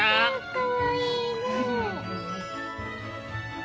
かわいいね。